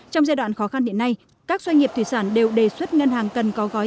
trong giai đoạn khó khăn hiện nay các doanh nghiệp thủy sản đều đề xuất ngân hàng cần có gói